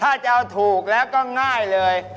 ถ้าจะเอาถูกแล้วก็ง่ายเลย